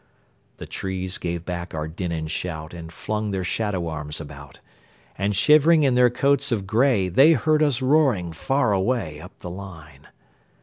The trees gave back our din and shout, And flung their shadow arms about; And shivering in their coats of gray, They heard us roaring far away, Up the line.